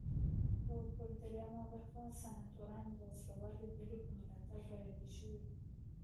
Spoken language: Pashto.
یو پر درېیمه برخه سناتوران د وسله والې ډلې په ملاتړ بریالي شوي وي.